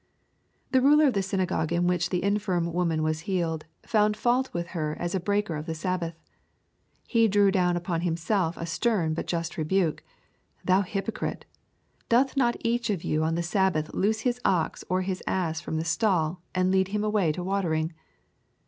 The ruler of the synagogue in which the infirm woman was healed, found fault with her as a breaker of the Sabbath. He drew dowL. upon himself a stern but just rebuke : "Thou hypocritSj doth not each one of you on the Sabbath loose his ox or his ass from the stall, and lead him away to watering